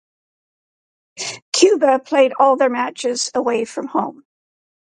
Cuba played all their matches away from home.